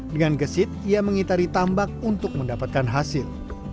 dengan gesit ia mengitari tambak untuk mendapatkan hasil